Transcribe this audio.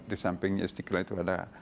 di samping istiqlal itu ada